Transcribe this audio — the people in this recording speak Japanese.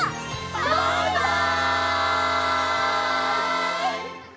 バイバイ！